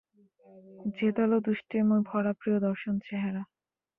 জেদালো দুষ্টুমি-ভরা প্রিয়দর্শন চেহারা।